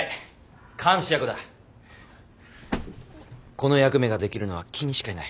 この役目ができるのは君しかいない。